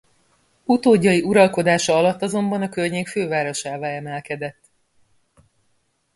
Utódjai uralkodása alatt azonban a környék fővárosává emelkedett.